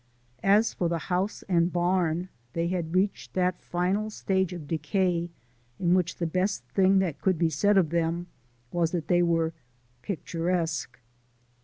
As for the house and barn, they had reached that final stage of decay in which the best thing that could be said of them was that they were picturesque.